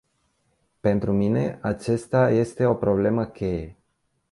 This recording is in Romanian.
Pentru mine, aceasta este o problemă cheie.